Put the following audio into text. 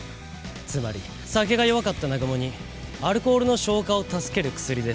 つまり酒が弱かった南雲に「アルコールの消化を助ける薬です」